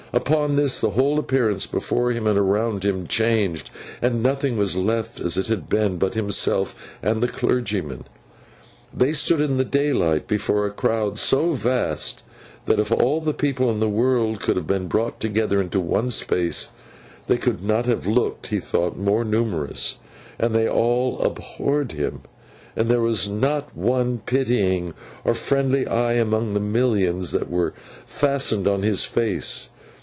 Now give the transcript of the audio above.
Upon this, the whole appearance before him and around him changed, and nothing was left as it had been, but himself and the clergyman. They stood in the daylight before a crowd so vast, that if all the people in the world could have been brought together into one space, they could not have looked, he thought, more numerous; and they all abhorred him, and there was not one pitying or friendly eye among the millions that were fastened on his face.